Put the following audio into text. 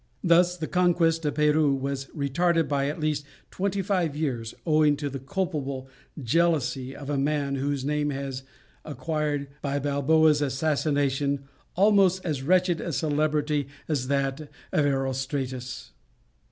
Thus the conquest of Peru was retarded by at least twenty five years, owing to the culpable jealousy of a man whose name has acquired, by Balboa's assassination, almost as wretched a celebrity as that of Erostratus.